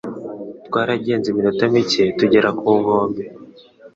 Twaragenze iminota mike tugera ku nkombe.